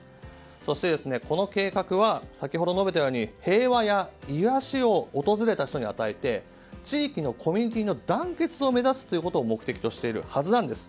そして、この計画は先ほど述べたように平和や癒やしを訪れた人に与えて地域のコミュニティーの団結を目指すことを目的としているはずなんです。